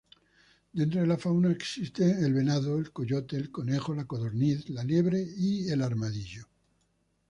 Dentro de la fauna existen el venado, coyote, conejo, codorniz, liebre y armadillo.